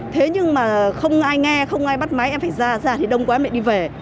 thế nhưng mà không ai nghe không ai bắt máy em phải ra ra thì đông quá em lại đi về